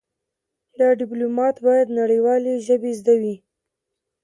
د ډيپلومات بايد نړېوالې ژبې زده وي.